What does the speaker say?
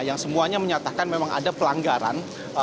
yang semuanya menyatakan memang ada pelanggaran